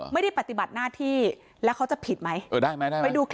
ไม่ได้ปฏิบัติหน้าที่แล้วเขาจะผิดไหม